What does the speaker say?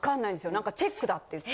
なんかチェックだって言って。